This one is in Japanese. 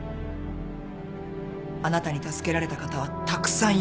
あなたに助けられた方はたくさんいるはずです。